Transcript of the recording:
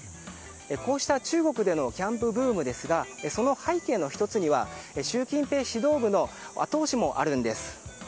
こうした中国でのキャンプブームですがその背景の１つには習近平指導部の後押しもあるんです。